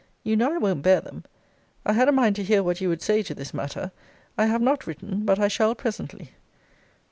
You know I won't bear them. I had a mind to hear what you would say to this matter. I have not written; but I shall presently.